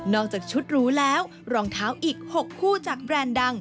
จากชุดหรูแล้วรองเท้าอีก๖คู่จากแบรนด์ดัง